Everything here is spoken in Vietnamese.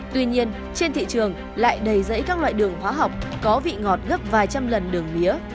tuy nhiên trên thị trường lại đầy dãy các loại đường hóa học có vị ngọt gấp vài trăm lần đường mía